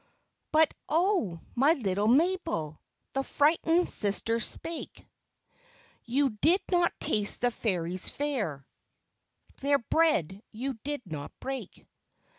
" But oh, my little Mabel !" The frightened sister spake, FAIRY FARE, 69 " You did not taste the fairies' fare, Their bread you did not break